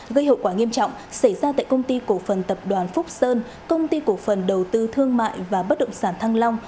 gây hậu quả nghiêm trọng xảy ra tại công ty cổ phần tập đoàn phúc sơn công ty cổ phần đầu tư thương mại và bất động sản thăng long